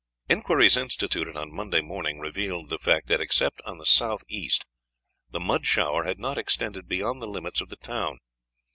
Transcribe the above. Inquiries instituted on Monday morning revealed the fact that, except on the south east, the mud shower had not extended beyond the limits of the town.